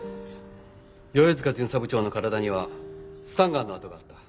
世々塚巡査部長の体にはスタンガンの痕があった。